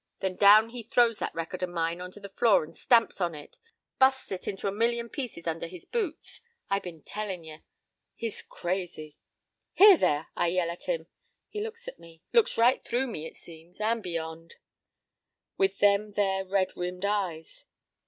Then down he throws that record o' mine onto the floor and stamps on it; busts it into a million pieces under his boots. I been tellin' you he's crazy. "'Here there!' I yell at him. "He looks at me. Looks right through me, it seems and beyond, with them there red rimmed eyes.